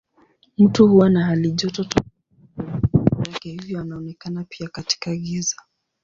Mtu huwa na halijoto tofauti na mazingira yake hivyo anaonekana pia katika giza.